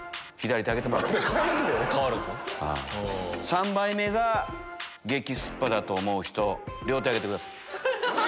３杯目が激スッパだと思う人両手挙げてください。